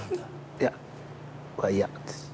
「いや」は「いや」です。